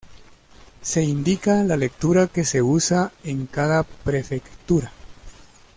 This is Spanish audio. Se indica la lectura que se usa en cada prefectura.